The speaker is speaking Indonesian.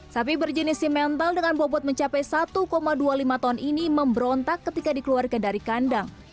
sapi berjenis simental dengan bobot mencapai satu dua puluh lima ton ini memberontak ketika dikeluarkan dari kandang